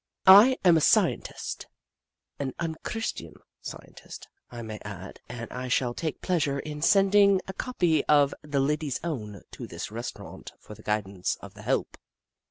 I am a Scientist — an unchristian Scientist, I may add, and I shall take pleasure in sending a copy of The Ladies Own to this restaurant for the guidance of the help.